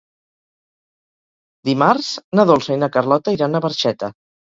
Dimarts na Dolça i na Carlota iran a Barxeta.